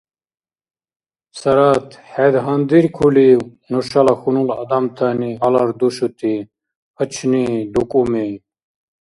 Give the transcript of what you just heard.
Сарат, хӀед гьандиркулив нушала хьунул адамтани гьалар душути пачни, дукӀуми?